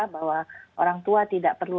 bahwa orang tua tidak perlu